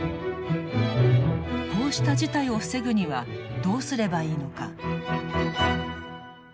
こうした事態を防ぐにはどうすればいいのか。